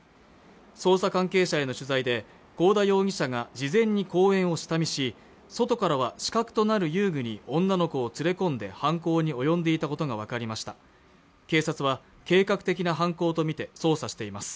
捜査関係者への取材で幸田容疑者が事前に公園を下見し外からは死角となる遊具に女の子を連れ込んで犯行に及んでいたことが分かりました警察は計画的な犯行とみて捜査しています